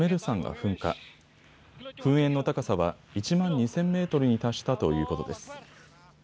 噴煙の高さは１万２０００メートルに達したということです。